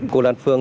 cô lan phương